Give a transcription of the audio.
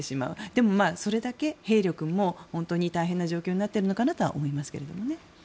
でも、それだけ兵力も本当に大変な状況になっているのかなとは思いますけどね。